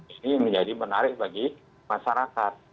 ini menjadi menarik bagi masyarakat